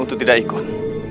untuk tidak ikut